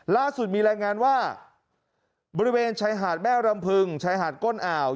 ล่าสุดมีรายงานว่าบริเวณชายหาดแม่รำพึงชายหาดก้นอ่าว